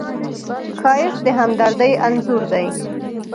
ښایست د همدردۍ انځور دی